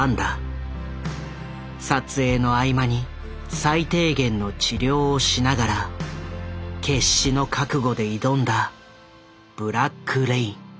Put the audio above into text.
撮影の合間に最低限の治療をしながら決死の覚悟で挑んだ「ブラック・レイン」。